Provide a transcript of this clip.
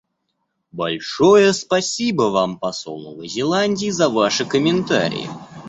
Большое спасибо вам, посол Новой Зеландии, за ваши комментарии.